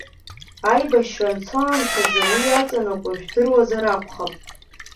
Аибашьра анцо аамҭазы уи иаҵанакуа жәдыруазар акәхап.